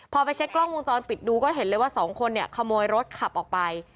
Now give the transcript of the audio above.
พอไปเช็คกล้องวงจรปิดดูก็เห็นเลยว่าสองคนเนี่ยขโมยรถขับออกไป